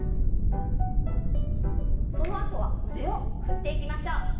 そのあとは腕を振っていきましょう。